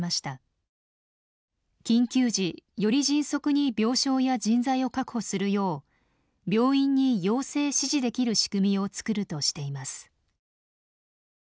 緊急時より迅速に病床や人材を確保するよう病院に要請・指示できる仕組みを作るとしています。